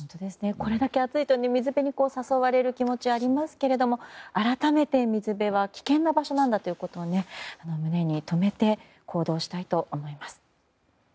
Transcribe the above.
これだけ暑いと、水辺に誘われる気持ちがありますが改めて、水辺は危険な場所なんだということを胸に留めて行動したいと思います。